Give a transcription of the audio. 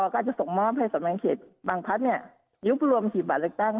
ก็จะส่งมอบไปสำนักงานเขตบางพัฒน์เนี้ยยุบรวมหีบบัตรเลือกตั้ง